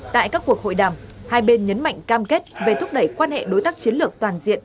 tại các cuộc hội đàm hai bên nhấn mạnh cam kết về thúc đẩy quan hệ đối tác chiến lược toàn diện